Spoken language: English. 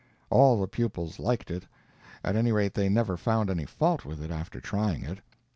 All the pupils liked it. At any rate, they never found any fault with it after trying it.